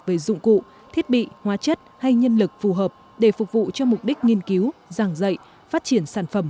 về dụng cụ thiết bị hóa chất hay nhân lực phù hợp để phục vụ cho mục đích nghiên cứu giảng dạy phát triển sản phẩm